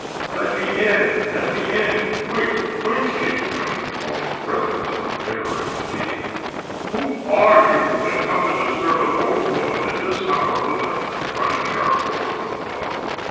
"Let me in! let me in! Quick! quick!" he exclaimed, almost breathless from terror and fatigue. "Who are you, that come to disturb a lone woman at this hour of the night?" cried a sharp voice from above.